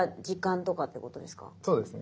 そうですね。